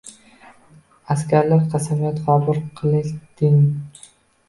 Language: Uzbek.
Askarlar qasamyod qabul qilding